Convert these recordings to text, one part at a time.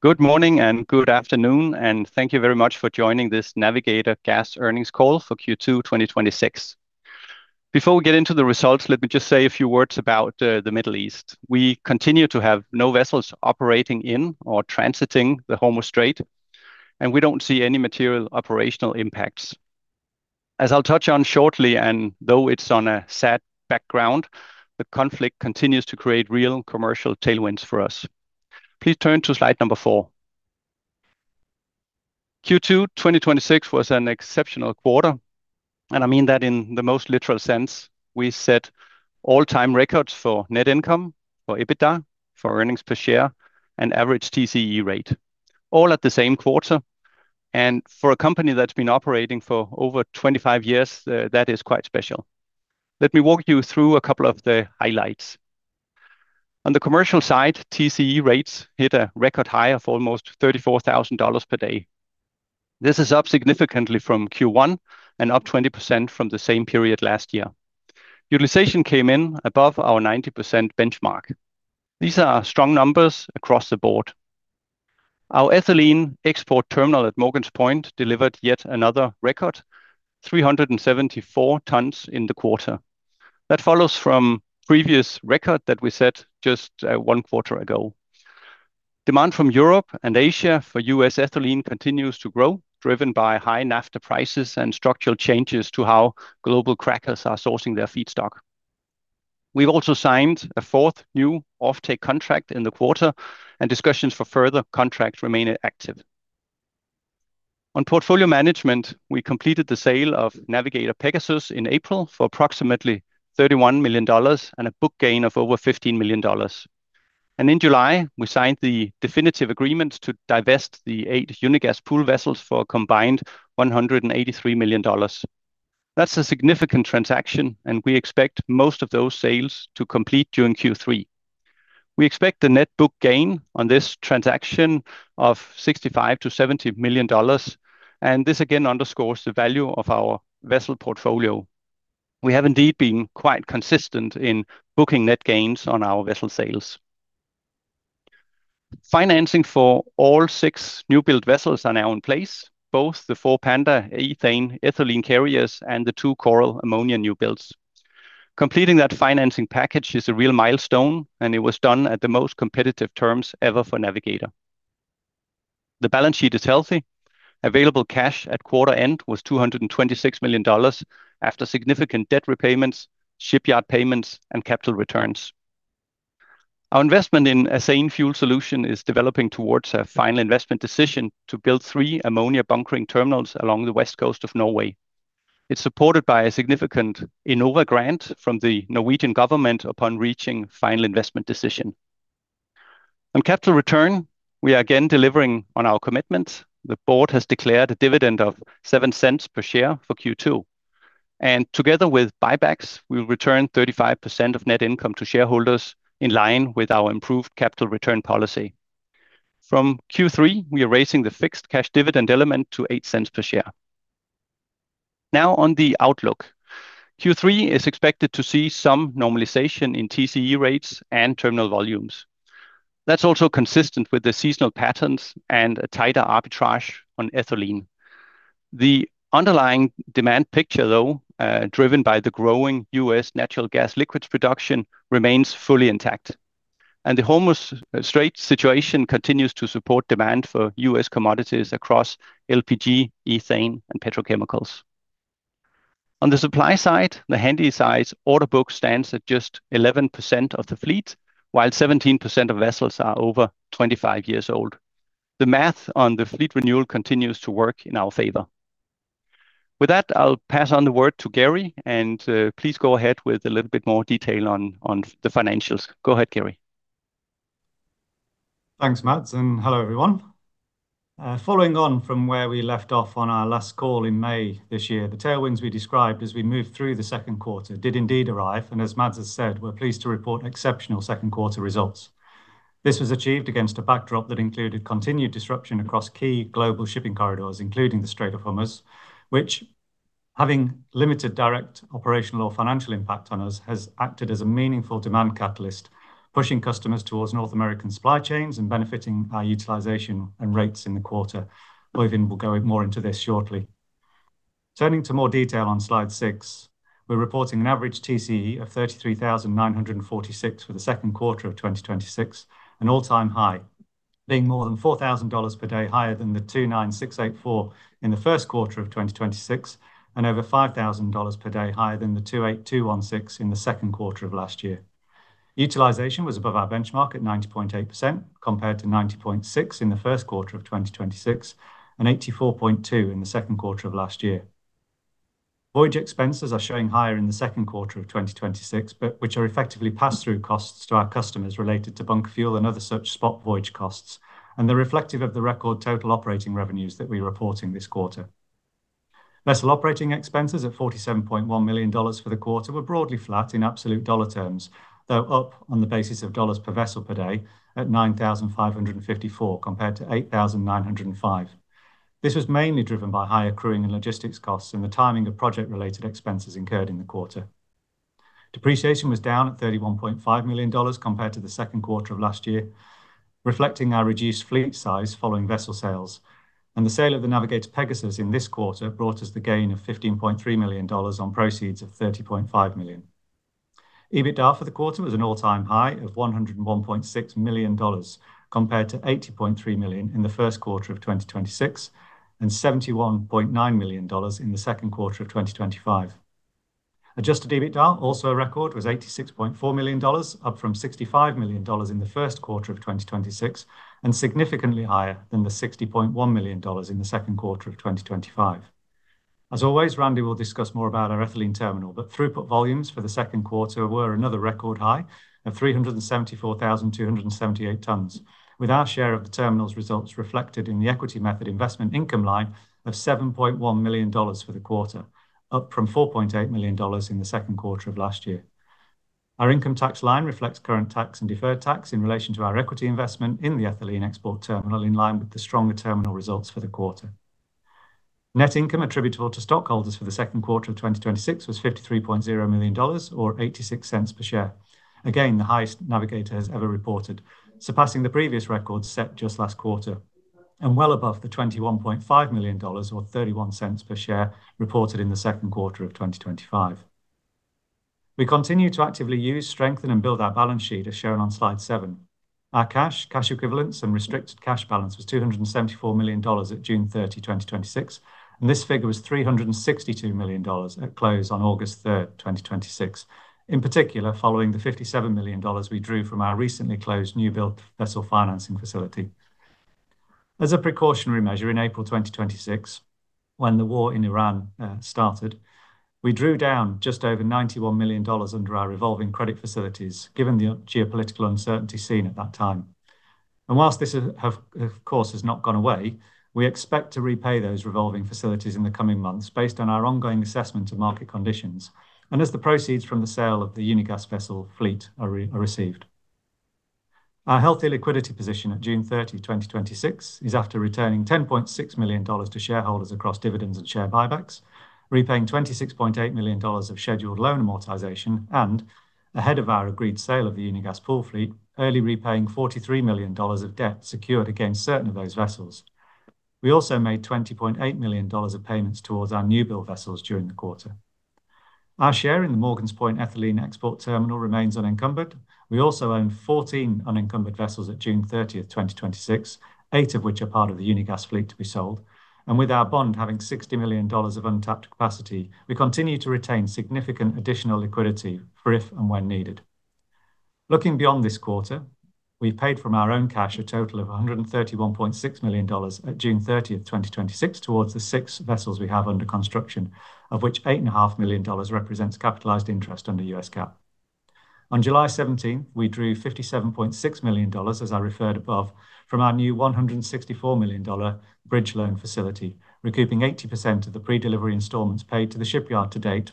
Good morning and good afternoon, thank you very much for joining this Navigator Gas earnings call for Q2 2026. Before we get into the results, let me just say a few words about the Middle East. We continue to have no vessels operating in or transiting the Hormuz Strait, and we don't see any material operational impacts. As I'll touch on shortly, and though it's on a sad background, the conflict continues to create real commercial tailwinds for us. Please turn to slide number four. Q2 2026 was an exceptional quarter, I mean that in the most literal sense. We set all-time records for net income, for EBITDA, for earnings per share, and average TCE rate, all at the same quarter. For a company that's been operating for over 25 years, that is quite special. Let me walk you through a couple of the highlights. On the commercial side, TCE rates hit a record high of almost $34,000 per day. This is up significantly from Q1 and up 20% from the same period last year. Utilization came in above our 90% benchmark. These are strong numbers across the board. Our ethylene export terminal at Morgan's Point delivered yet another record, 374 tonnes in the quarter. That follows from previous record that we set just one quarter ago. Demand from Europe and Asia for U.S. ethylene continues to grow, driven by high naphtha prices and structural changes to how global crackers are sourcing their feedstock. We've also signed a fourth new offtake contract in the quarter, and discussions for further contract remain active. On portfolio management, we completed the sale of Navigator Pegasus in April for approximately $31 million and a book gain of over $15 million. In July, we signed the definitive agreement to divest the eight Unigas Pool vessels for a combined $183 million. That's a significant transaction, and we expect most of those sales to complete during Q3. We expect a net book gain on this transaction of $65 million-$70 million, and this again underscores the value of our vessel portfolio. We have indeed been quite consistent in booking net gains on our vessel sales. Financing for all six new-build vessels are now in place, both the four Panda ethane ethylene carriers and the two Coral ammonia new builds. Completing that financing package is a real milestone, and it was done at the most competitive terms ever for Navigator. The balance sheet is healthy. Available cash at quarter end was $226 million after significant debt repayments, shipyard payments, and capital returns. Our investment in Azane Fuel Solutions is developing towards a final investment decision to build three ammonia bunkering terminals along the West Coast of Norway. It's supported by a significant Enova grant from the Norwegian government upon reaching final investment decision. On capital return, we are again delivering on our commitment. The board has declared a dividend of $0.07 per share for Q2. Together with buybacks, we will return 35% of net income to shareholders in line with our improved capital return policy. From Q3, we are raising the fixed cash dividend element to $0.08 per share. Now on the outlook. Q3 is expected to see some normalization in TCE rates and terminal volumes. That's also consistent with the seasonal patterns and a tighter arbitrage on ethylene. The underlying demand picture, though, driven by the growing U.S. natural gas liquids production, remains fully intact. The Hormuz Strait situation continues to support demand for U.S. commodities across LPG, ethane, and petrochemicals. On the supply side, the handysize order book stands at just 11% of the fleet, while 17% of vessels are over 25 years old. The math on the fleet renewal continues to work in our favor. With that, I'll pass on the word to Gary, and please go ahead with a little bit more detail on the financials. Go ahead, Gary. Thanks, Mads, and hello, everyone. Following on from where we left off on our last call in May this year, the tailwinds we described as we moved through the second quarter did indeed arrive. As Mads has said, we're pleased to report exceptional second quarter results. This was achieved against a backdrop that included continued disruption across key global shipping corridors, including the Strait of Hormuz, which, having limited direct operational or financial impact on us, has acted as a meaningful demand catalyst, pushing customers towards North American supply chains and benefiting our utilization and rates in the quarter. Oeyvind will go more into this shortly. Turning to more detail on slide six, we're reporting an average TCE of $33,946 for the second quarter of 2026, an all-time high, being more than $4,000 per day higher than the $29,684 in the first quarter of 2026, and over $5,000 per day higher than the $28,216 in the second quarter of last year. Utilization was above our benchmark at 90.8%, compared to 90.6% in the first quarter of 2026 and 84.2% in the second quarter of last year. Voyage expenses are showing higher in the second quarter of 2026, but which are effectively pass-through costs to our customers related to bunker fuel and other such spot voyage costs, and they're reflective of the record total operating revenues that we're reporting this quarter. Vessel operating expenses of $47.1 million for the quarter were broadly flat in absolute dollar terms, though up on the basis of dollars per vessel per day at $9,554 compared to $8,905. This was mainly driven by higher crewing and logistics costs and the timing of project-related expenses incurred in the quarter. Depreciation was down at $31.5 million compared to the second quarter of last year, reflecting our reduced fleet size following vessel sales. The sale of the Navigator Pegasus in this quarter brought us the gain of $15.3 million on proceeds of $30.5 million. EBITDA for the quarter was an all-time high of $101.6 million, compared to $80.3 million in the first quarter of 2026 and $71.9 million in the second quarter of 2025. Adjusted EBITDA, also a record, was $86.4 million, up from $65 million in the first quarter of 2026. Significantly higher than the $60.1 million in the second quarter of 2025. As always, Randy will discuss more about our ethylene terminal, but throughput volumes for the second quarter were another record high of 374,278 tonnes. Our share of the terminal's results reflected in the equity method investment income line of $7.1 million for the quarter, up from $4.8 million in the second quarter of last year. Our income tax line reflects current tax and deferred tax in relation to our equity investment in the ethylene export terminal, in line with the stronger terminal results for the quarter. Net income attributable to stockholders for the second quarter of 2026 was $53.0 million, or $0.86 per share. The highest Navigator has ever reported, surpassing the previous records set just last quarter. Well above the $21.5 million or $0.31 per share reported in the second quarter of 2025. We continue to actively use, strengthen, and build our balance sheet as shown on slide seven. Our cash equivalents, and restricted cash balance was $274 million at June 30, 2026. This figure was $362 million at close on August 3rd, 2026. In particular, following the $57 million we drew from our recently closed newbuild vessel financing facility. As a precautionary measure in April 2026, when the war in Iran started, we drew down just over $91 million under our revolving credit facilities, given the geopolitical uncertainty seen at that time. Whilst this of course has not gone away, we expect to repay those revolving facilities in the coming months based on our ongoing assessment of market conditions, as the proceeds from the sale of the Unigas vessel fleet are received. Our healthy liquidity position at June 30, 2026 is after returning $10.6 million to shareholders across dividends and share buybacks, repaying $26.8 million of scheduled loan amortization. Ahead of our agreed sale of the Unigas Pool fleet, early repaying $43 million of debt secured against certain of those vessels. We also made $20.8 million of payments towards our newbuild vessels during the quarter. Our share in the Morgan's Point ethylene export terminal remains unencumbered. We also own 14 unencumbered vessels at June 30th, 2026, eight of which are part of the Unigas fleet to be sold. With our bond having $60 million of untapped capacity, we continue to retain significant additional liquidity for if and when needed. Looking beyond this quarter, we've paid from our own cash a total of $131.6 million at June 30th, 2026 towards the six vessels we have under construction, of which $8.5 million represents capitalized interest under US GAAP. On July 17, we drew $57.6 million, as I referred above, from our new $164 million bridge loan facility, recouping 80% of the pre-delivery installments paid to the shipyard to date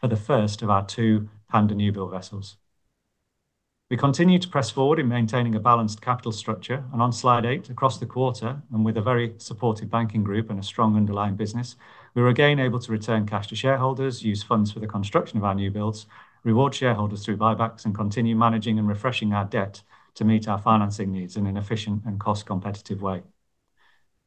for the first of our two Panda newbuild vessels. We continue to press forward in maintaining a balanced capital structure. On slide eight, across the quarter and with a very supportive banking group and a strong underlying business, we were again able to return cash to shareholders, use funds for the construction of our newbuilds, reward shareholders through buybacks, and continue managing and refreshing our debt to meet our financing needs in an efficient and cost-competitive way.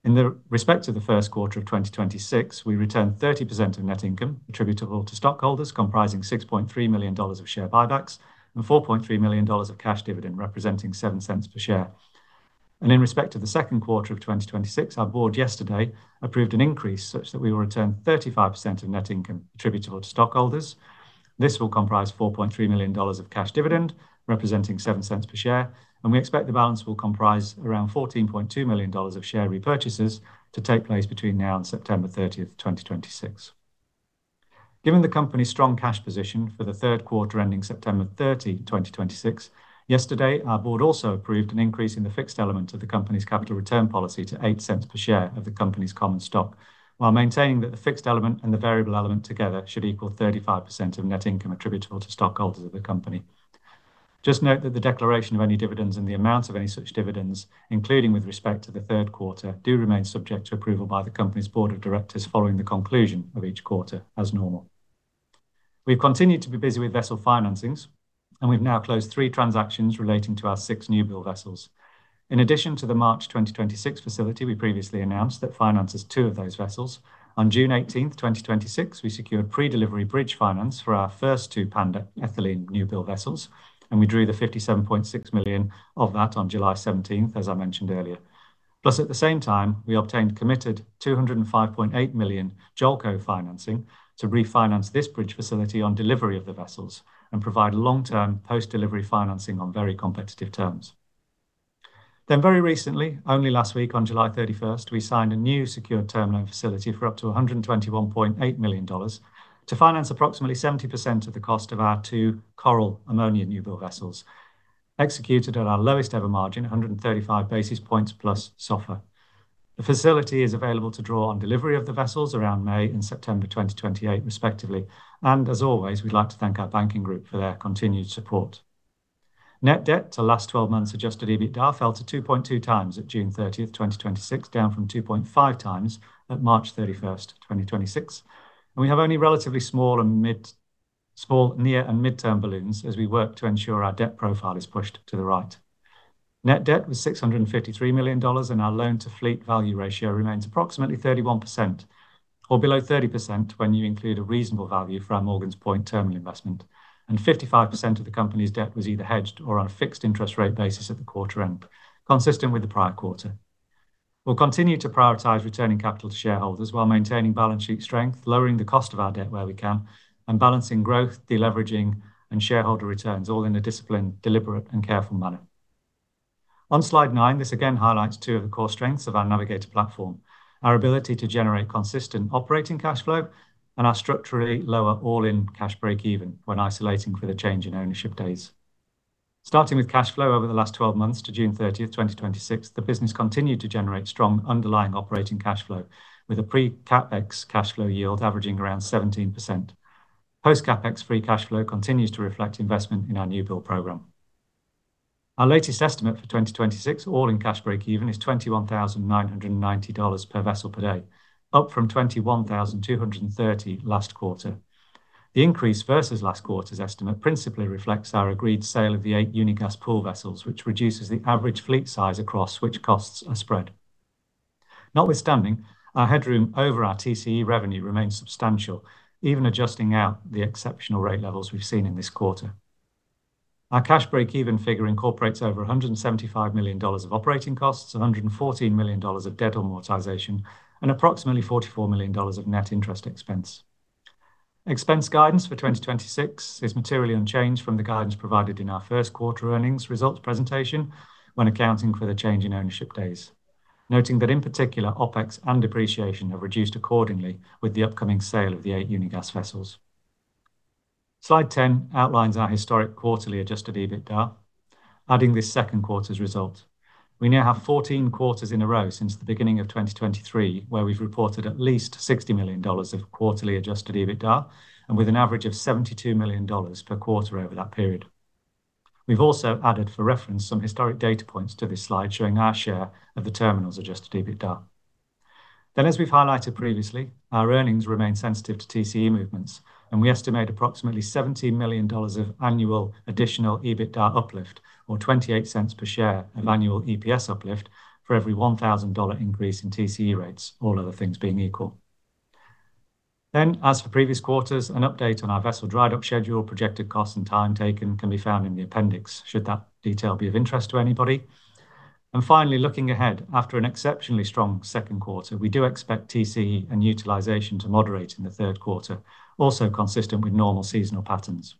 In the respect of the first quarter of 2026, we returned 30% of net income attributable to stockholders, comprising $6.3 million of share buybacks and $4.3 million of cash dividend, representing $0.07 per share. In respect of the second quarter of 2026, our board yesterday approved an increase such that we will return 35% of net income attributable to stockholders. This will comprise $4.3 million of cash dividend, representing $0.07 per share. We expect the balance will comprise around $14.2 million of share repurchases to take place between now and September 30, 2026. Given the company's strong cash position for the third quarter ending September 30, 2026, yesterday our board also approved an increase in the fixed element of the company's capital return policy to $0.08 per share of the company's common stock while maintaining that the fixed element and the variable element together should equal 35% of net income attributable to stockholders of the company. Note that the declaration of any dividends and the amount of any such dividends, including with respect to the third quarter, do remain subject to approval by the company's board of directors following the conclusion of each quarter as normal. We've continued to be busy with vessel financings. We've now closed three transactions relating to our six newbuild vessels. In addition to the March 2026 facility we previously announced that finances two of those vessels, on June 18th, 2026 we secured pre-delivery bridge finance for our first two Panda ethylene newbuild vessels. We drew the $57.6 million of that on July 17th, as I mentioned earlier. At the same time, we obtained committed $205.8 million JOLCO financing to refinance this bridge facility on delivery of the vessels and provide long-term post-delivery financing on very competitive terms. Very recently, only last week on July 31st, we signed a new secured term loan facility for up to $121.8 million to finance approximately 70% of the cost of our two Coral ammonia newbuild vessels, executed at our lowest ever margin, 135 basis points plus SOFR. The facility is available to draw on delivery of the vessels around May and September 2028 respectively. As always, we'd like to thank our banking group for their continued support. Net debt to last 12 months adjusted EBITDA fell to 2.2x at June 30th, 2026, down from 2.5x at March 31st, 2026. We have only relatively small near and midterm balloons as we work to ensure our debt profile is pushed to the right. Net debt was $653 million. Our loan-to-fleet value ratio remains approximately 31%, or below 30% when you include a reasonable value for our Morgan's Point terminal investment. 55% of the company's debt was either hedged or on a fixed interest rate basis at the quarter end, consistent with the prior quarter. We'll continue to prioritize returning capital to shareholders while maintaining balance sheet strength, lowering the cost of our debt where we can, and balancing growth, deleveraging, and shareholder returns, all in a disciplined, deliberate, and careful manner. On slide nine, this again highlights two of the core strengths of our Navigator platform, our ability to generate consistent operating cash flow, and our structurally lower all-in cash breakeven when isolating for the change in ownership days. Starting with cash flow over the last 12 months to June 30th, 2026, the business continued to generate strong underlying operating cash flow with a pre-CapEx cash flow yield averaging around 17%. Post-CapEx free cash flow continues to reflect investment in our new build program. Our latest estimate for 2026 all-in cash breakeven is $21,990 per vessel per day, up from $21,230 last quarter. The increase versus last quarter's estimate principally reflects our agreed sale of the eight Unigas Pool vessels, which reduces the average fleet size across which costs are spread. Notwithstanding, our headroom over our TCE revenue remains substantial, even adjusting out the exceptional rate levels we've seen in this quarter. Our cash breakeven figure incorporates over $175 million of operating costs, $114 million of debt amortization, and approximately $44 million of net interest expense. Expense guidance for 2026 is materially unchanged from the guidance provided in our first quarter earnings results presentation when accounting for the change in ownership days. Noting that in particular, OpEx and depreciation have reduced accordingly with the upcoming sale of the eight Unigas vessels. Slide 10 outlines our historic quarterly adjusted EBITDA, adding this second quarter's result. We now have 14 quarters in a row since the beginning of 2023, where we've reported at least $60 million of quarterly adjusted EBITDA, with an average of $72 million per quarter over that period. We've also added for reference some historic data points to this slide showing our share of the terminal's adjusted EBITDA. As we've highlighted previously, our earnings remain sensitive to TCE movements, and we estimate approximately $70 million of annual additional EBITDA uplift or $0.28 per share of annual EPS uplift for every $1,000 increase in TCE rates, all other things being equal. As for previous quarters, an update on our vessel drydock schedule, projected costs, and time taken can be found in the appendix should that detail be of interest to anybody. Finally, looking ahead, after an exceptionally strong second quarter, we do expect TCE and utilization to moderate in the third quarter, also consistent with normal seasonal patterns.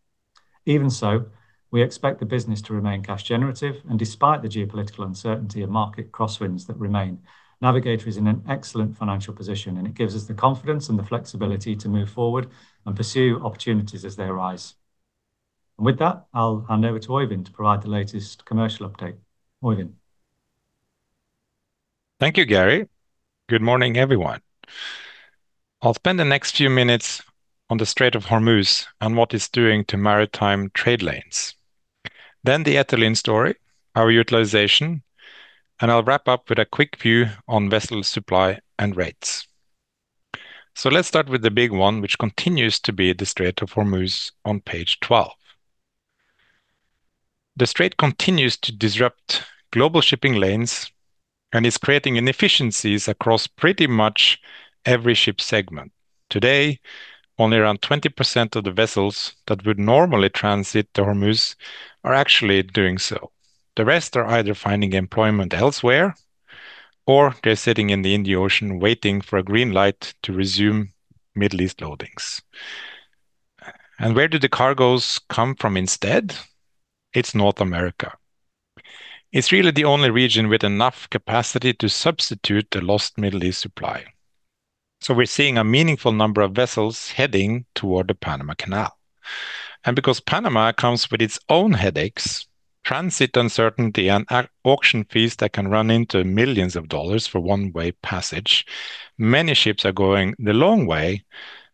Even so, we expect the business to remain cash generative. Despite the geopolitical uncertainty and market crosswinds that remain, Navigator is in an excellent financial position, and it gives us the confidence and the flexibility to move forward and pursue opportunities as they arise. With that, I'll hand over to Oeyvind to provide the latest commercial update. Oeyvind? Thank you, Gary. Good morning, everyone. I'll spend the next few minutes on the Strait of Hormuz and what it's doing to maritime trade lanes. The ethylene story, our utilization, and I'll wrap up with a quick view on vessel supply and rates. Let's start with the big one, which continues to be the Strait of Hormuz on page 12. The Strait continues to disrupt global shipping lanes and is creating inefficiencies across pretty much every ship segment. Today, only around 20% of the vessels that would normally transit the Hormuz are actually doing so. The rest are either finding employment elsewhere or they're sitting in the Indian Ocean waiting for a green light to resume Middle East loadings. Where do the cargoes come from instead? It's North America. It's really the only region with enough capacity to substitute the lost Middle East supply. We're seeing a meaningful number of vessels heading toward the Panama Canal. Because Panama comes with its own headaches, transit uncertainty, and auction fees that can run into millions of dollars for one-way passage, many ships are going the long way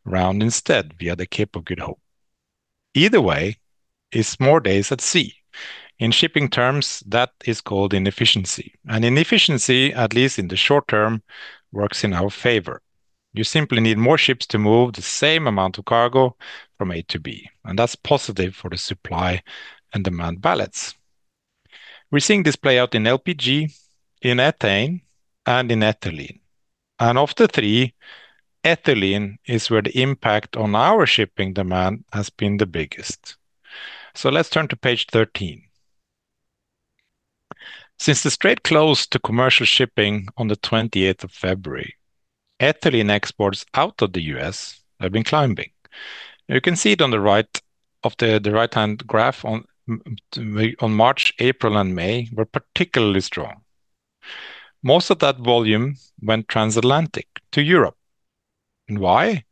around instead via the Cape of Good Hope. Either way, it's more days at sea. In shipping terms, that is called inefficiency, and inefficiency, at least in the short term, works in our favor. You simply need more ships to move the same amount of cargo from A to B, and that's positive for the supply and demand balance. We're seeing this play out in LPG, in ethane, and in ethylene. Of the three, ethylene is where the impact on our shipping demand has been the biggest. Let's turn to page 13. Since the Strait closed to commercial shipping on February 28th, ethylene exports out of the U.S. have been climbing. You can see it on the right of the right-hand graph on March, April, and May were particularly strong. Most of that volume went transatlantic to Europe. Why?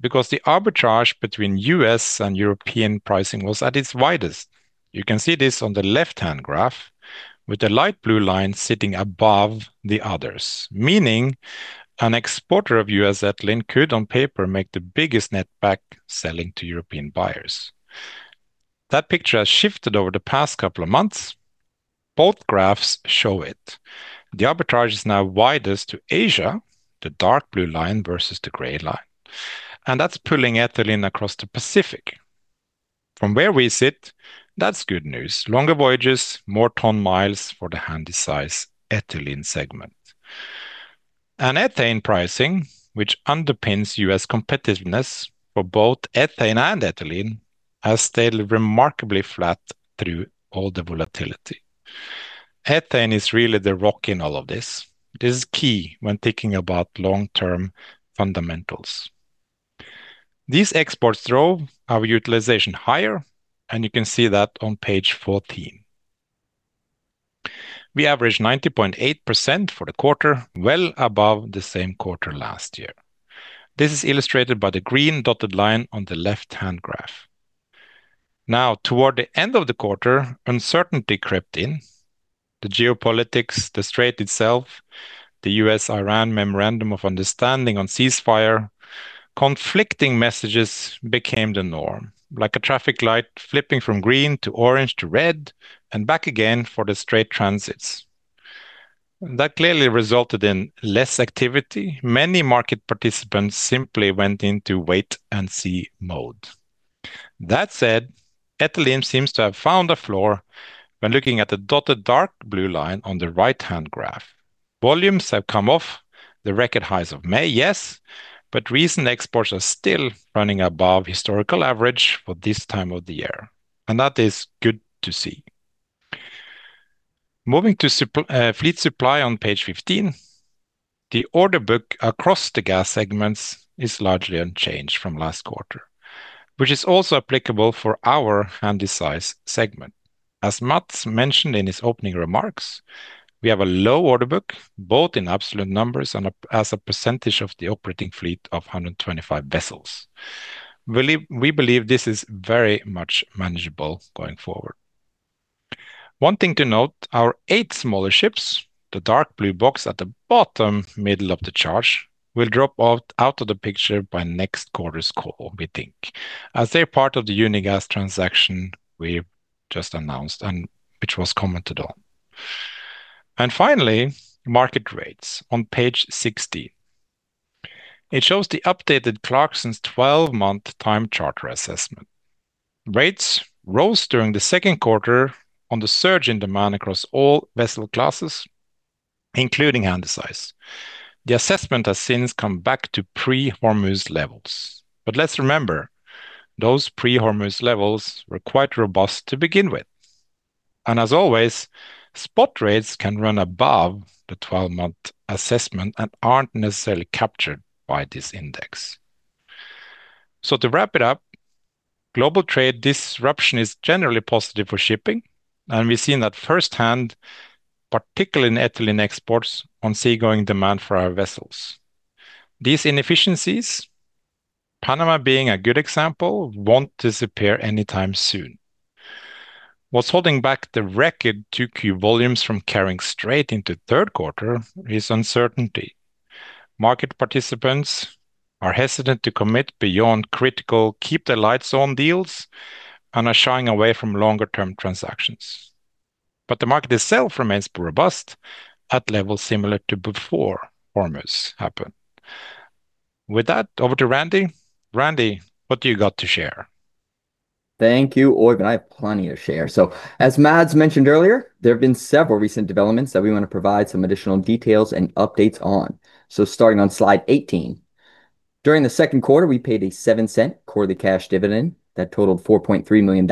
Because the arbitrage between U.S. and European pricing was at its widest. You can see this on the left-hand graph with the light blue line sitting above the others, meaning an exporter of U.S. ethylene could, on paper, make the biggest net back selling to European buyers. That picture has shifted over the past couple of months. Both graphs show it. The arbitrage is now widest to Asia, the dark blue line versus the gray line, and that's pulling ethylene across the Pacific. From where we sit, that's good news. Longer voyages, more ton-miles for the handysize ethylene segment. Ethane pricing, which underpins U.S. competitiveness for both ethane and ethylene, has stayed remarkably flat through all the volatility. Ethane is really the rock in all of this. This is key when thinking about long-term fundamentals. These exports drove our utilization higher, and you can see that on page 14. We averaged 90.8% for the quarter, well above the same quarter last year. This is illustrated by the green dotted line on the left-hand graph. Now, toward the end of the quarter, uncertainty crept in. The geopolitics, the Strait itself, the U.S.-Iran memorandum of understanding on ceasefire. Conflicting messages became the norm. Like a traffic light flipping from green to orange to red and back again for the Strait transits. That clearly resulted in less activity. Many market participants simply went into wait and see mode. That said, ethylene seems to have found a floor when looking at the dotted dark blue line on the right-hand graph. Volumes have come off the record highs of May, yes, but recent exports are still running above historical average for this time of the year, and that is good to see. Moving to fleet supply on page 15. The order book across the gas segments is largely unchanged from last quarter, which is also applicable for our handysize segment. As Mads mentioned in his opening remarks, we have a low order book, both in absolute numbers and as a percentage of the operating fleet of 125 vessels. We believe this is very much manageable going forward. One thing to note, our eight smaller ships, the dark blue box at the bottom middle of the chart, will drop out of the picture by next quarter's call, we think. As they're part of the Unigas transaction we just announced and which was commented on. Finally, market rates on page 16. It shows the updated Clarksons 12-month time charter assessment. Rates rose during the second quarter on the surge in demand across all vessel classes, including handysize. The assessment has since come back to pre-Hormuz levels. Let's remember, those pre-Hormuz levels were quite robust to begin with. As always, spot rates can run above the 12-month assessment and aren't necessarily captured by this index. To wrap it up, global trade disruption is generally positive for shipping, and we've seen that firsthand, particularly in ethylene exports on seagoing demand for our vessels. These inefficiencies, Panama being a good example, won't disappear anytime soon. What's holding back the record 2Q volumes from carrying straight into third quarter is uncertainty. Market participants are hesitant to commit beyond critical keep-the-lights-on deals and are shying away from longer-term transactions. The market itself remains robust at levels similar to before Hormuz happened. With that, over to Randy. Randy, what do you got to share? Thank you, Oeyvind. I have plenty to share. As Mads mentioned earlier, there have been several recent developments that we want to provide some additional details and updates on. Starting on slide 18. During the second quarter, we paid a $0.07 quarterly cash dividend that totaled $4.3 million,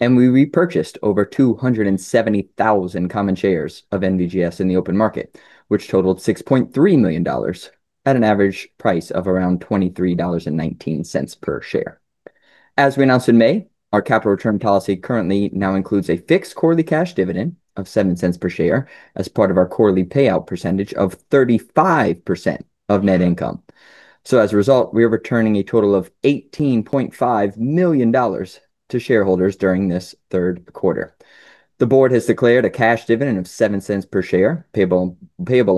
and we repurchased over 270,000 common shares of NVGS in the open market, which totaled $6.3 million at an average price of around $23.19 per share. As we announced in May, our capital return policy currently now includes a fixed quarterly cash dividend of $0.07 per share as part of our quarterly payout percentage of 35% of net income. As a result, we are returning a total of $18.5 million to shareholders during this third quarter. The board has declared a cash dividend of $0.07 per share, payable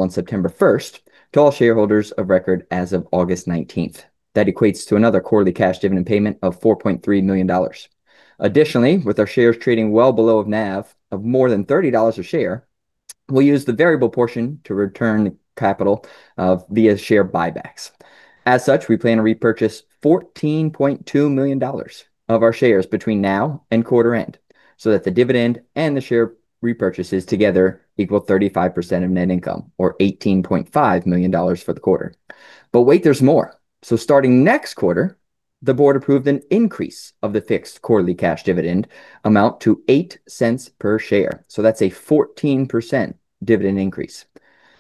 on September 1st, to all shareholders of record as of August 19th. That equates to another quarterly cash dividend payment of $4.3 million. Additionally, with our shares trading well below NAV of more than $30 a share, we'll use the variable portion to return capital via share buybacks. As such, we plan to repurchase $14.2 million of our shares between now and quarter end, so that the dividend and the share repurchases together equal 35% of net income, or $18.5 million for the quarter. Wait, there's more. Starting next quarter, the board approved an increase of the fixed quarterly cash dividend amount to $0.08 per share. That's a 14% dividend increase.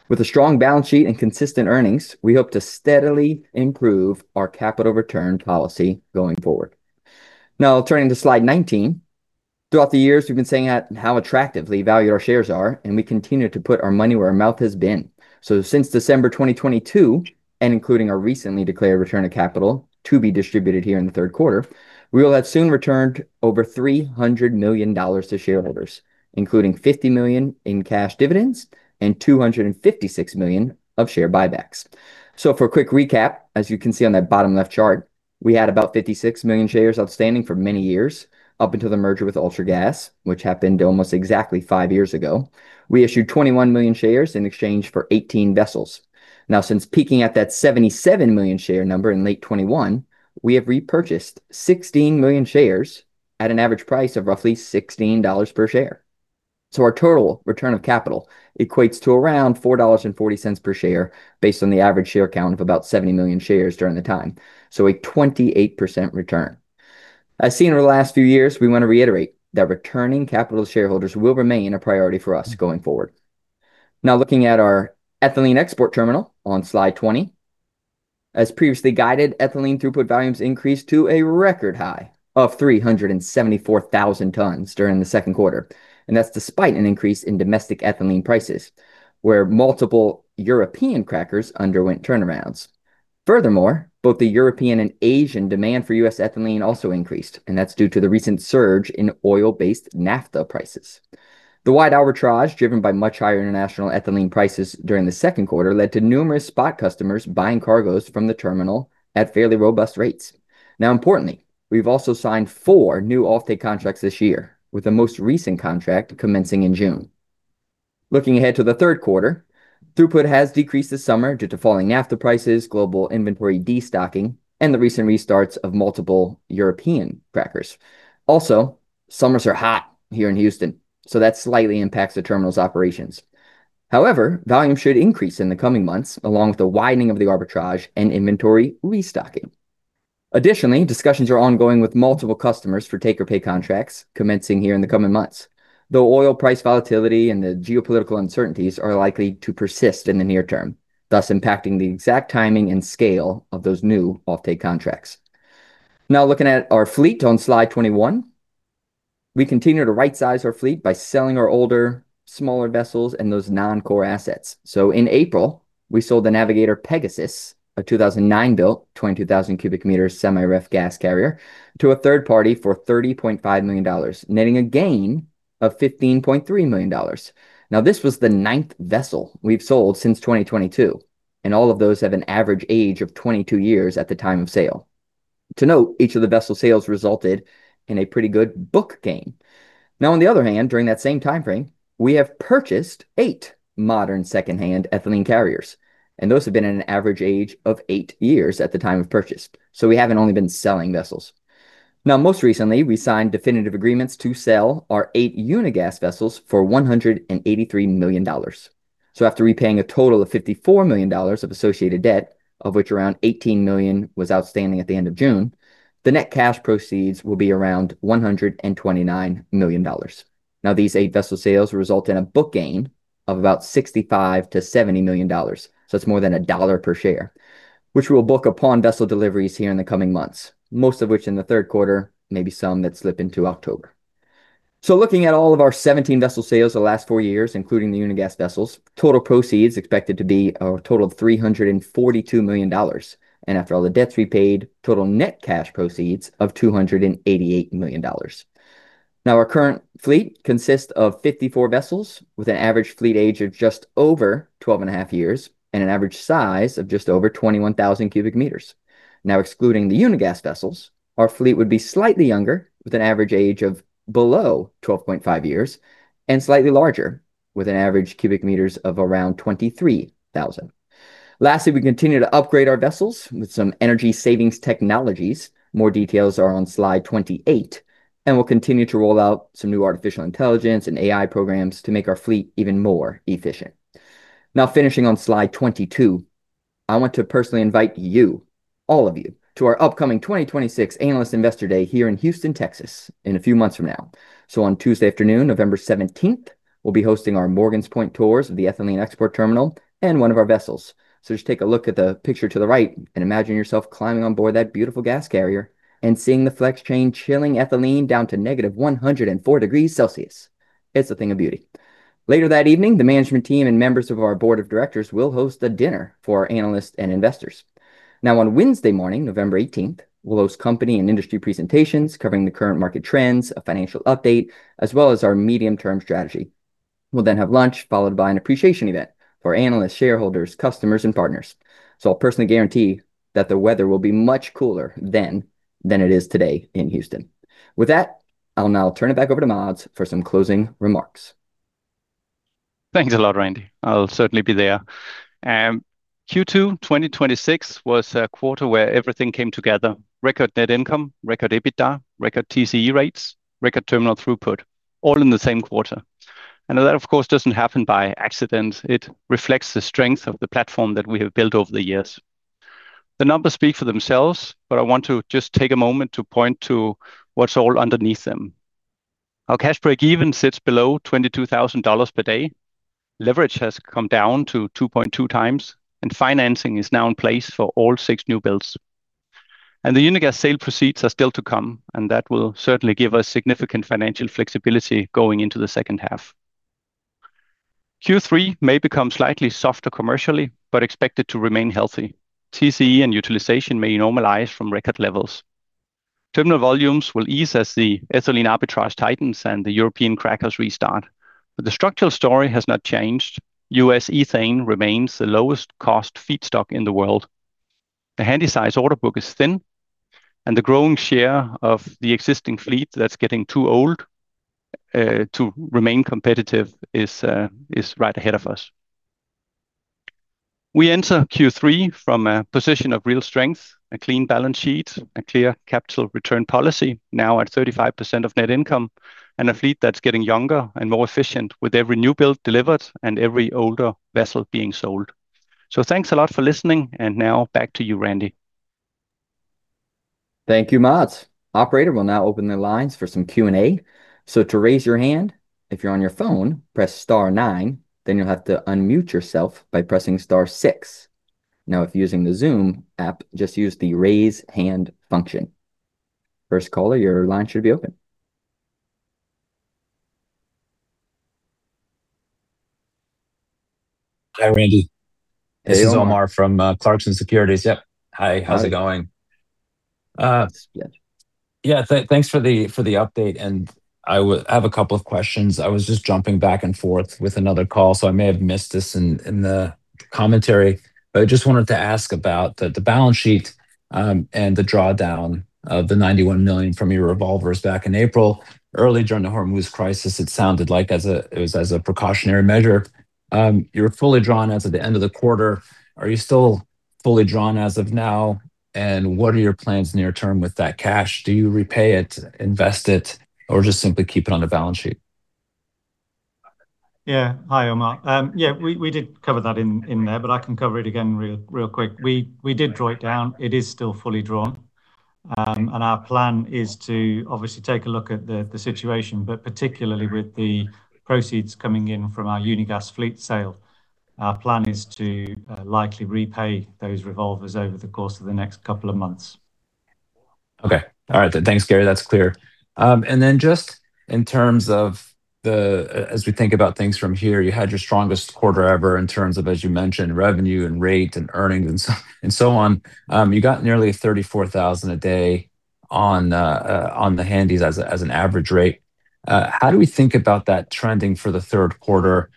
With a strong balance sheet and consistent earnings, we hope to steadily improve our capital return policy going forward. Turning to slide 19. Throughout the years, we've been saying how attractively valued our shares are, and we continue to put our money where our mouth has been. Since December 2022, and including our recently declared return of capital to be distributed here in the third quarter, we will have soon returned over $300 million to shareholders, including $50 million in cash dividends and $256 million of share buybacks. For a quick recap, as you can see on that bottom left chart. We had about 56 million shares outstanding for many years up until the merger with Ultragas, which happened almost exactly five years ago. We issued 21 million shares in exchange for 18 vessels. Since peaking at that 77 million share number in late 2021, we have repurchased 16 million shares at an average price of roughly $16 per share. Our total return of capital equates to around $4.40 per share based on the average share count of about 70 million shares during the time, so a 28% return. As seen over the last few years, we want to reiterate that returning capital to shareholders will remain a priority for us going forward. Looking at our ethylene export terminal on slide 20. As previously guided, ethylene throughput volumes increased to a record high of 374,000 tonnes during the second quarter, and that's despite an increase in domestic ethylene prices where multiple European crackers underwent turnarounds. Furthermore, both the European and Asian demand for U.S. ethylene also increased, and that's due to the recent surge in oil-based naphtha prices. The wide arbitrage, driven by much higher international ethylene prices during the second quarter, led to numerous spot customers buying cargoes from the terminal at fairly robust rates. Importantly, we've also signed four new offtake contracts this year, with the most recent contract commencing in June. Looking ahead to the third quarter, throughput has decreased this summer due to falling naphtha prices, global inventory destocking, and the recent restarts of multiple European crackers. Summers are hot here in Houston, so that slightly impacts the terminal's operations. Volume should increase in the coming months, along with the widening of the arbitrage and inventory restocking. Additionally, discussions are ongoing with multiple customers for take-or-pay contracts commencing here in the coming months. Oil price volatility and the geopolitical uncertainties are likely to persist in the near term, thus impacting the exact timing and scale of those new offtake contracts. Looking at our fleet on slide 21. We continue to rightsize our fleet by selling our older, smaller vessels and those non-core assets. In April, we sold the Navigator Pegasus, a 2009-built, 22,000 cu m semi-refrigerated gas carrier, to a third party for $30.5 million, netting a gain of $15.3 million. This was the ninth vessel we've sold since 2022, and all of those have an average age of 22 years at the time of sale. To note, each of the vessel sales resulted in a pretty good book gain. On the other hand, during that same time frame, we have purchased eight modern secondhand ethylene carriers, and those have been at an average age of eight years at the time of purchase. We haven't only been selling vessels. Most recently, we signed definitive agreements to sell our eight Unigas vessels for $183 million. After repaying a total of $54 million of associated debt, of which around $18 million was outstanding at the end of June, the net cash proceeds will be around $129 million. These eight vessel sales will result in a book gain of about $65 million-$70 million. It's more than a dollar per share, which we'll book upon vessel deliveries here in the coming months, most of which in the third quarter, maybe some that slip into October. Looking at all of our 17 vessel sales the last four years, including the Unigas vessels, total proceeds expected to be a total of $342 million. After all the debts repaid, total net cash proceeds of $288 million. Our current fleet consists of 54 vessels with an average fleet age of just over 12.5 years and an average size of just over 21,000 cu m. Excluding the Unigas vessels, our fleet would be slightly younger with an average age of below 12.5 years and slightly larger with an average cubic meters of around 23,000 cu m. Lastly, we continue to upgrade our vessels with some energy savings technologies. More details are on slide 28, and we'll continue to roll out some new artificial intelligence and AI programs to make our fleet even more efficient. Finishing on slide 22, I want to personally invite you, all of you, to our upcoming 2026 Analyst Investor Day here in Houston, Texas, in a few months from now. On Tuesday afternoon, November 17th, we'll be hosting our Morgan's Point tours of the ethylene export terminal and one of our vessels. Just take a look at the picture to the right and imagine yourself climbing on board that beautiful gas carrier and seeing the flex train chilling ethylene down to -104 degrees Celsius. It's a thing of beauty. Later that evening, the management team and members of our board of directors will host a dinner for our analysts and investors. On Wednesday morning, November 18th, we'll host company and industry presentations covering the current market trends, a financial update, as well as our medium-term strategy. We'll have lunch, followed by an appreciation event for analysts, shareholders, customers, and partners. I'll personally guarantee that the weather will be much cooler then than it is today in Houston. With that, I'll now turn it back over to Mads for some closing remarks. Thanks a lot, Randy. I'll certainly be there. Q2 2026 was a quarter where everything came together. Record net income, record EBITDA, record TCE rates, record terminal throughput, all in the same quarter. That, of course, doesn't happen by accident. It reflects the strength of the platform that we have built over the years. The numbers speak for themselves, but I want to just take a moment to point to what's all underneath them. Our cash break even sits below $22,000/day. Leverage has come down to 2.2x, and financing is now in place for all six new builds. The Unigas sale proceeds are still to come, and that will certainly give us significant financial flexibility going into the second half. Q3 may become slightly softer commercially, but expected to remain healthy. TCE and utilization may normalize from record levels. Terminal volumes will ease as the ethylene arbitrage tightens and the European crackers restart. The structural story has not changed. U.S. ethane remains the lowest cost feedstock in the world. The handysize order book is thin, and the growing share of the existing fleet that's getting too old to remain competitive is right ahead of us. We enter Q3 from a position of real strength, a clean balance sheet, a clear capital return policy now at 35% of net income, and a fleet that's getting younger and more efficient with every new build delivered and every older vessel being sold. Thanks a lot for listening, and now back to you, Randy. Thank you, Mads. Operator will now open the lines for some Q&A. To raise your hand, if you're on your phone, press star nine, then you'll have to unmute yourself by pressing star six. If using the Zoom app, just use the raise hand function. First caller, your line should be open. Hi, Randy. Hey, Omar. This is Omar from Clarksons Securities. Yeah. Hi. Hi. How's it going? It's good. Thanks for the update. I have a couple of questions. I was just jumping back and forth with another call, so I may have missed this in the commentary, but I just wanted to ask about the balance sheet, and the drawdown of the $91 million from your revolvers back in April. Early during the Hormuz crisis, it sounded like it was as a precautionary measure. You were fully drawn as of the end of the quarter. Are you still fully drawn as of now? What are your plans near term with that cash? Do you repay it, invest it, or just simply keep it on the balance sheet? Hi, Omar. We did cover that in there. I can cover it again real quick. We did draw it down. It is still fully drawn. Our plan is to obviously take a look at the situation, particularly with the proceeds coming in from our Unigas fleet sale. Our plan is to likely repay those revolvers over the course of the next couple of months. Okay. All right. Thanks, Gary. That's clear. Just in terms of as we think about things from here, you had your strongest quarter ever in terms of, as you mentioned, revenue and rate and earnings and so on. You got nearly 34,000 a day on the handys as an average rate. How do we think about that trending for the third quarter?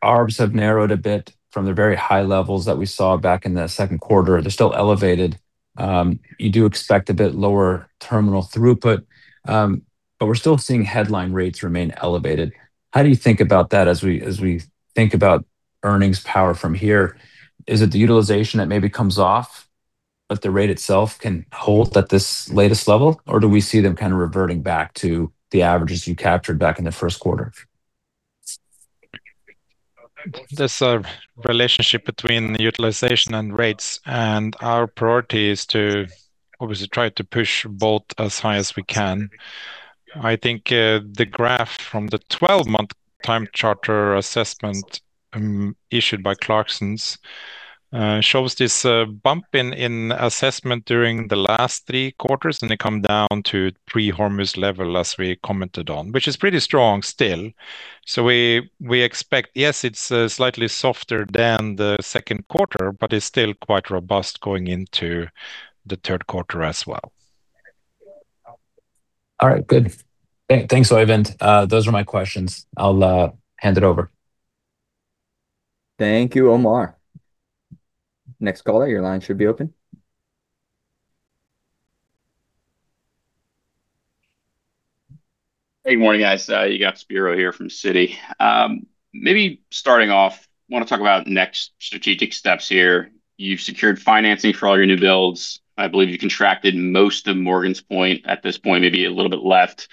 Arbs have narrowed a bit from the very high levels that we saw back in the second quarter. They're still elevated. You do expect a bit lower terminal throughput. We're still seeing headline rates remain elevated. How do you think about that as we think about earnings power from here? Is it the utilization that maybe comes off if the rate itself can hold at this latest level, or do we see them kind of reverting back to the averages you captured back in the first quarter? There's a relationship between the utilization and rates. Our priority is to obviously try to push both as high as we can. I think the graph from the 12-month time charter assessment issued by Clarksons shows this bump in assessment during the last three quarters. It come down to pre-Hormuz level, as we commented on, which is pretty strong still. We expect, yes, it's slightly softer than the second quarter, but it's still quite robust going into the third quarter as well. All right, good. Thanks, Oeyvind. Those are my questions. I'll hand it over. Thank you, Omar. Next caller, your line should be open. Hey, morning, guys. You got Spiro here from Citi. Maybe starting off, want to talk about next strategic steps here. You've secured financing for all your new builds. I believe you contracted most of Morgan's Point at this point, maybe a little bit left.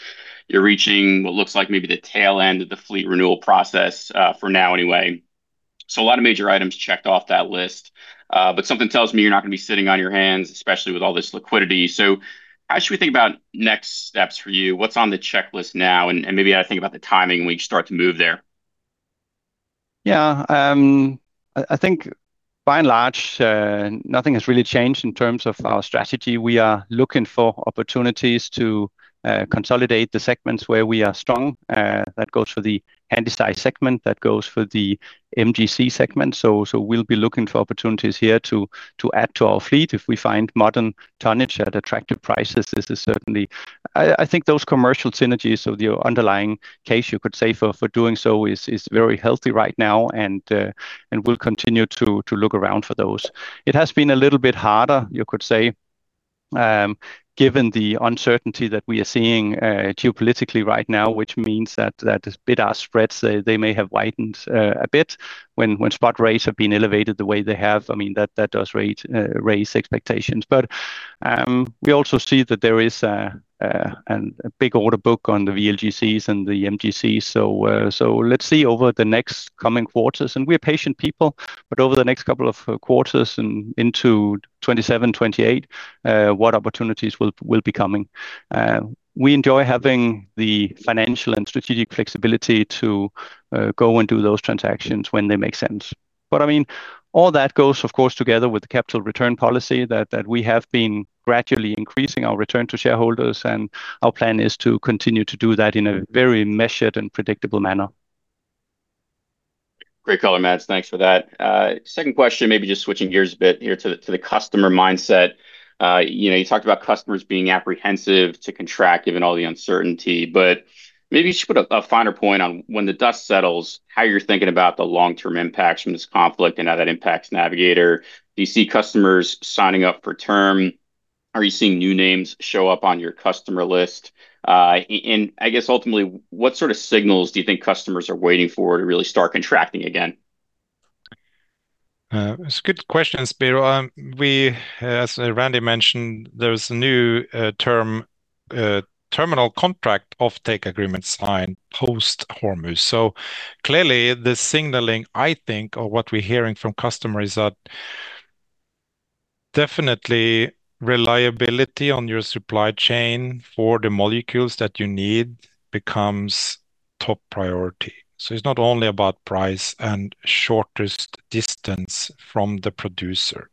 You're reaching what looks like maybe the tail end of the fleet renewal process, for now anyway. A lot of major items checked off that list. Something tells me you're not going to be sitting on your hands, especially with all this liquidity. How should we think about next steps for you? What's on the checklist now, and maybe how to think about the timing when you start to move there? Yeah. I think by and large, nothing has really changed in terms of our strategy. We are looking for opportunities to consolidate the segments where we are strong. That goes for the handysize segment, that goes for the MGC segment. We'll be looking for opportunities here to add to our fleet if we find modern tonnage at attractive prices. I think those commercial synergies of your underlying case, you could say, for doing so is very healthy right now, and we'll continue to look around for those. It has been a little bit harder, you could say, given the uncertainty that we are seeing geopolitically right now, which means that as bid-ask spreads, they may have widened a bit when spot rates have been elevated the way they have. That does raise expectations. We also see that there is a big order book on the VLGCs and the MGCs. Let's see over the next coming quarters, and we are patient people, but over the next couple of quarters and into 2027, 2028, what opportunities will be coming. We enjoy having the financial and strategic flexibility to go and do those transactions when they make sense. All that goes, of course, together with the capital return policy that we have been gradually increasing our return to shareholders, and our plan is to continue to do that in a very measured and predictable manner. Great call, Mads. Thanks for that. Second question, maybe just switching gears a bit here to the customer mindset. You talked about customers being apprehensive to contract given all the uncertainty, but maybe you should put a finer point on when the dust settles, how you're thinking about the long-term impacts from this conflict and how that impacts Navigator. Do you see customers signing up for term? Are you seeing new names show up on your customer list? I guess ultimately, what sort of signals do you think customers are waiting for to really start contracting again? It's a good question, Spiro. As Randy mentioned, there's a new terminal contract offtake agreement signed post-Hormuz. Clearly the signaling, I think, or what we're hearing from customer is that definitely reliability on your supply chain for the molecules that you need becomes top priority. It's not only about price and shortest distance from the producer.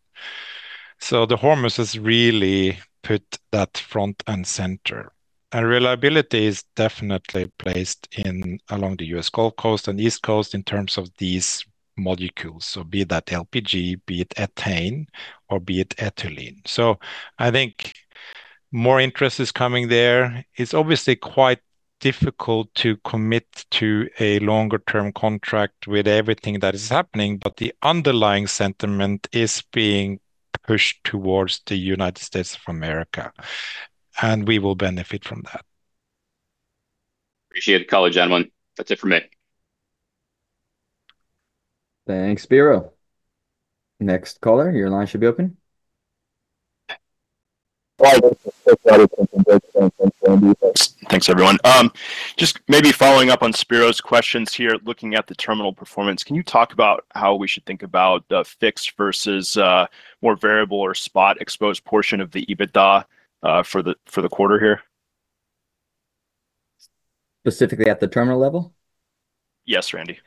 The Hormuz has really put that front and center. Reliability is definitely placed along the U.S. Gulf Coast and East Coast in terms of these molecules. Be that LPG, be it ethane, or be it ethylene. I think more interest is coming there. It's obviously quite difficult to commit to a longer-term contract with everything that is happening, but the underlying sentiment is being pushed towards the United States of America, and we will benefit from that. Appreciate it. Good call, gentlemen. That's it from me. Thanks, Spiro. Next caller, your line should be open. Thanks, everyone. Just maybe following up on Spiro's questions here, looking at the terminal performance, can you talk about how we should think about the fixed versus more variable or spot exposed portion of the EBITDA for the quarter here? Specifically at the terminal level? Yes, Randy.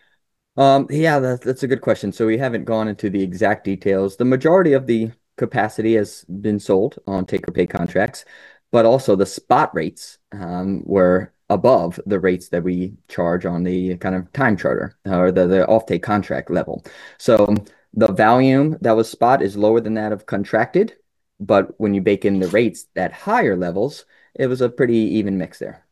Yeah, that's a good question. We haven't gone into the exact details. The majority of the capacity has been sold on take-or-pay contracts, but also the spot rates were above the rates that we charge on the time charter or the offtake contract level. The volume that was spot is lower than that of contracted. When you bake in the rates at higher levels, it was a pretty even mix there.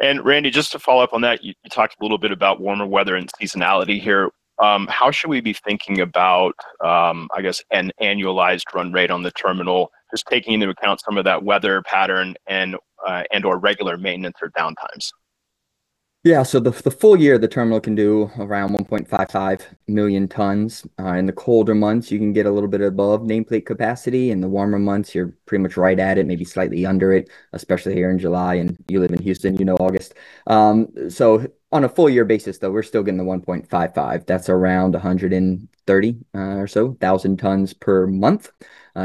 Randy, just to follow up on that, you talked a little bit about warmer weather and seasonality here. How should we be thinking about, I guess, an annualized run rate on the terminal, just taking into account some of that weather pattern and/or regular maintenance or downtimes? Yeah. The full year, the terminal can do around 1.55 million tonnes. In the colder months, you can get a little bit above nameplate capacity. In the warmer months, you're pretty much right at it, maybe slightly under it, especially here in July, and you live in Houston, you know August. On a full year basis, though, we're still getting the 1.55 million tonnes. That's around 130 or so thousand tonnes per month.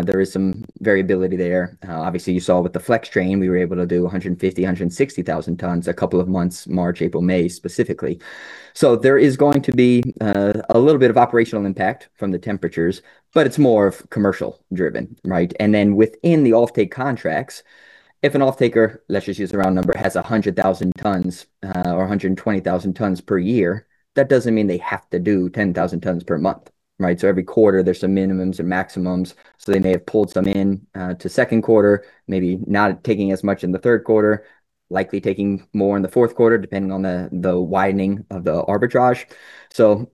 There is some variability there. Obviously, you saw with the flex train, we were able to do 150,000 tonnes, 160,000 tonnes a couple of months, March, April, May, specifically. There is going to be a little bit of operational impact from the temperatures, but it's more of commercial driven, right? Within the offtake contracts, if an off-taker, let's just use a round number, has 100,000 tonnes/year or 120,000 tonnes/year, that doesn't mean they have to do 10,000 tonnes/month, right? Every quarter, there's some minimums or maximums. They may have pulled some in to second quarter, maybe not taking as much in the third quarter, likely taking more in the fourth quarter, depending on the widening of the arbitrage.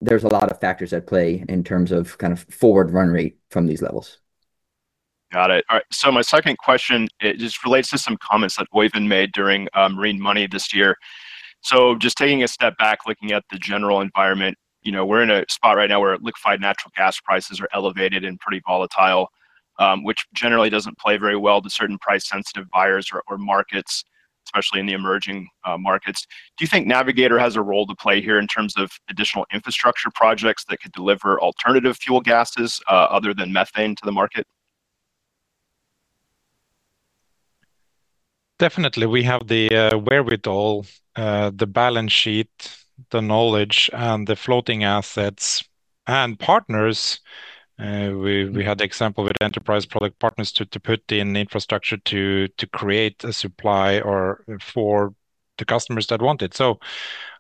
There's a lot of factors at play in terms of forward run rate from these levels. Got it. All right. My second question, it just relates to some comments that Oeyvind made during Marine Money this year. Just taking a step back, looking at the general environment, we're in a spot right now where liquefied natural gas prices are elevated and pretty volatile, which generally doesn't play very well to certain price-sensitive buyers or markets, especially in the emerging markets. Do you think Navigator has a role to play here in terms of additional infrastructure projects that could deliver alternative fuel gases other than methane to the market? Definitely, we have the wherewithal, the balance sheet, the knowledge, and the floating assets, and partners. We had the example with Enterprise Products Partners to put in infrastructure to create a supply for the customers that want it.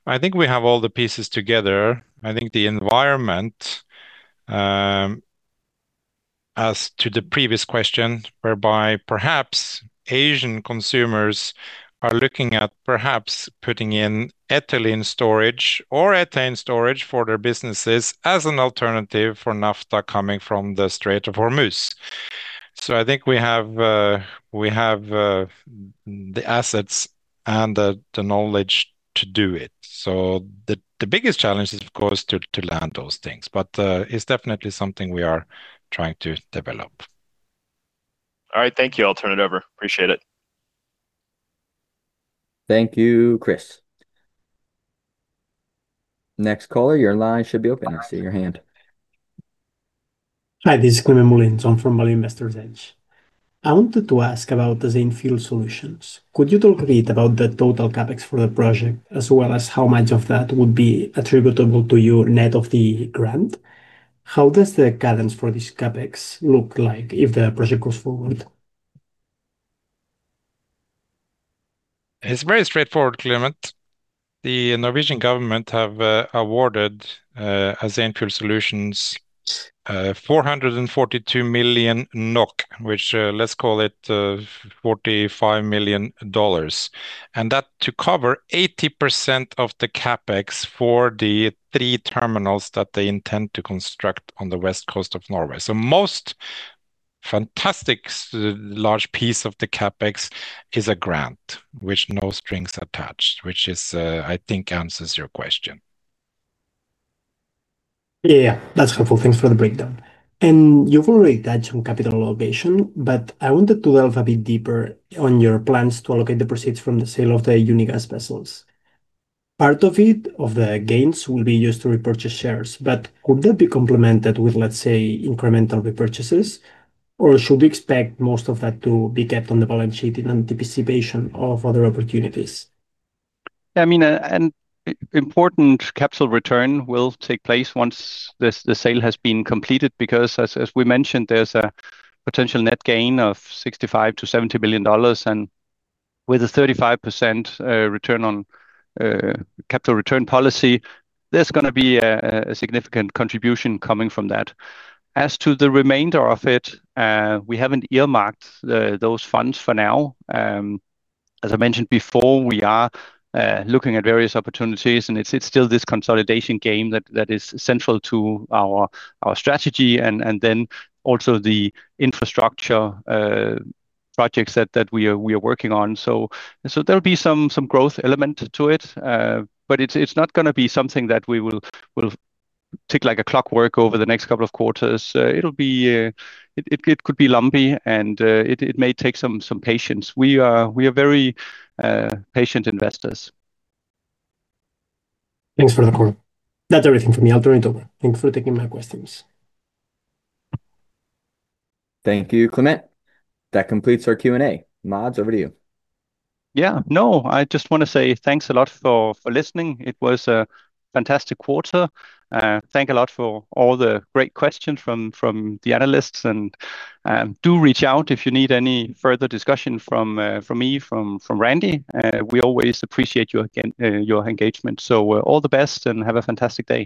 I think we have all the pieces together. I think the environment, as to the previous question, whereby perhaps Asian consumers are looking at perhaps putting in ethylene storage or ethane storage for their businesses as an alternative for naphtha coming from the Strait of Hormuz. I think we have the assets and the knowledge to do it. The biggest challenge is, of course, to land those things. It's definitely something we are trying to develop. All right. Thank you. I'll turn it over. Appreciate it. Thank you, Chris. Next caller, your line should be open. I see your hand. Hi, this is Climent Molins. I'm from Value Investor's Edge. I wanted to ask about the Azane Fuel Solutions. Could you talk a bit about the total CapEx for the project, as well as how much of that would be attributable to your net of the grant? How does the cadence for this CapEx look like if the project goes forward? It's very straightforward, Climent. The Norwegian government have awarded Azane Fuel Solutions 442 million NOK, which let's call it $45 million, and that to cover 80% of the CapEx for the three terminals that they intend to construct on the West Coast of Norway. Most fantastic large piece of the CapEx is a grant, which no strings attached, which is I think answers your question. Yeah. That's helpful. Thanks for the breakdown. You've already touched on capital allocation, but I wanted to delve a bit deeper on your plans to allocate the proceeds from the sale of the Unigas vessels. Part of it, of the gains, will be used to repurchase shares, but could that be complemented with, let's say, incremental repurchases, or should we expect most of that to be kept on the balance sheet in anticipation of other opportunities? Yeah, an important capital return will take place once the sale has been completed because, as we mentioned, there's a potential net gain of $65 million-$70 million, with a 35% return on capital return policy, there's going to be a significant contribution coming from that. As to the remainder of it, we haven't earmarked those funds for now. As I mentioned before, we are looking at various opportunities, it's still this consolidation game that is central to our strategy and then also the infrastructure projects that we are working on. There'll be some growth element to it. It's not going to be something that we will tick like a clockwork over the next couple of quarters. It could be lumpy, and it may take some patience. We are very patient investors. Thanks for that, Gary. That's everything for me. Over and out. Thanks for taking my questions. Thank you, Climent. That completes our Q&A. Mads, over to you. Yeah, no, I just want to say thanks a lot for listening. It was a fantastic quarter. Thank a lot for all the great questions from the analysts, do reach out if you need any further discussion from me, from Randy. We always appreciate your engagement. All the best, and have a fantastic day.